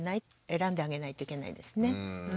選んであげないといけないですね。